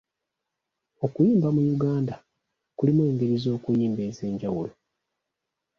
Okuyimba mu Uganda kulimu engeri z'okuyimba ez'enjawulo.